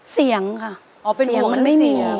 เสียงค่ะเสียงมันไม่มี